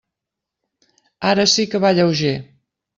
Ara sí que va lleuger.